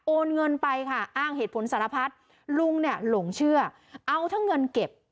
เงินไปค่ะอ้างเหตุผลสารพัดลุงเนี่ยหลงเชื่อเอาทั้งเงินเก็บ